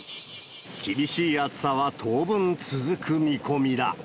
厳しい暑さは当分続く見込みだ。